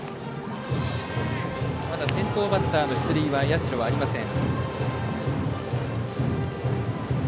先頭バッターの出塁は社はありません。